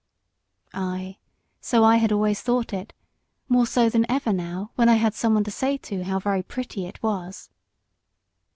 Ay, so I had always thought it; more so than ever now, when I had some one to say to how "very pretty" it was.